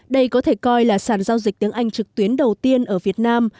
đây có thể coi là sản giao dịch tiếng anh trực tuyến đầu tiên ở việt nam